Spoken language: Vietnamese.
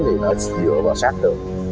thì nó dựa vào sát đường